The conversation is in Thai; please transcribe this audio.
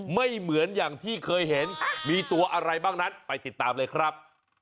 ไม่เหมือนอย่างที่เคยเห็นมีตัวอะไรบ้างนั้นไปติดตามเลยครับ